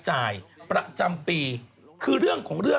จากธนาคารกรุงเทพฯ